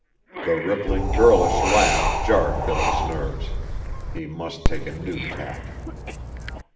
The rippling, girlish laugh jarred Billy's nerves. He must take a new tack.